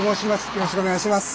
よろしくお願いします。